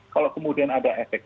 kalau kemudian ada efek